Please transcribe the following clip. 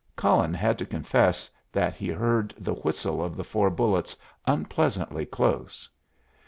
Cullen had to confess that he heard the whistle of the four bullets unpleasantly close.